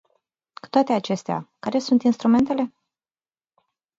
Cu toate acestea, care sunt instrumentele?